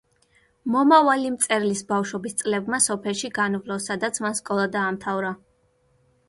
მომავალი მწერლის ბავშვობის წლებმა სოფელში განვლო, სადაც მან სკოლა დაამთავრა.